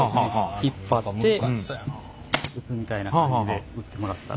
引っ張って打つみたいな感じで打ってもらったら。